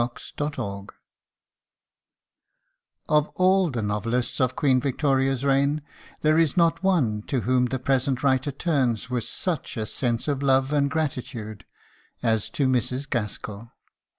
GASKELL Of all the novelists of Queen Victoria's reign there is not one to whom the present writer turns with such a sense of love and gratitude as to Mrs. Gaskell.